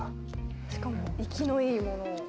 しかも生きのいいものを。